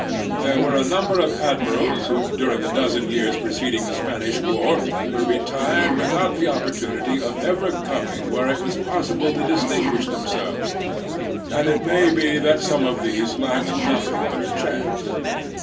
There were a ntmiber of admirals who during the dozen years preceding the Spanish war were retired without the opportunity of ever coming where it was possible to distinguish them selves ; and it may be that some of these lacked nothing but the chance.